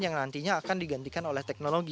yang nantinya akan digantikan oleh teknologi